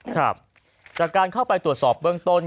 ครับจากการเข้าไปตรวจสอบเบื้องต้น